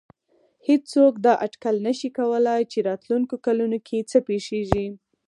هېڅوک دا اټکل نه شي کولای چې راتلونکو کلونو کې څه پېښېږي.